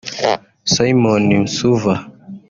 Simon Msuva